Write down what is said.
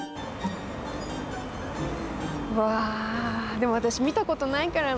うわでも私見た事ないからな。